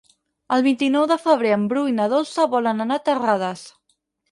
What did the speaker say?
El vint-i-nou de febrer en Bru i na Dolça volen anar a Terrades.